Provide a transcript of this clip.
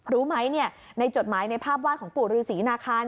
รู้ไหมในจดหมายในภาพไห้ของปู่ฤษีนาคาร